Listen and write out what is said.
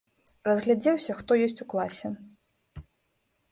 Разгледзеўся, хто ёсць у класе.